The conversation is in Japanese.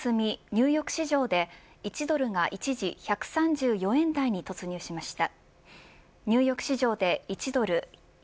ニューヨーク市場で１ドル一時１３４円台に突入しました。